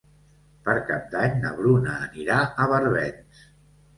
Per Cap d'Any na Bruna anirà a Barbens.